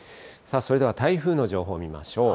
それでは台風の情報見ましょう。